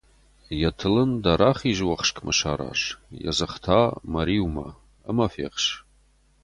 Йӕ тыл ын дӕ рахиз уӕхскмӕ сараз, йӕ дзых та мӕ риумӕ ӕмӕ фехс!